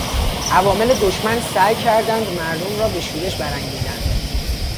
عوامل دشمن سعی کردند مردم را به شورش برانگیزند.